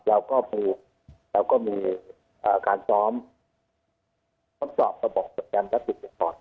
แล้วก็มีแล้วก็มีอ่าการซ้อมทดสอบประบบประสิทธิกษ์ต่อ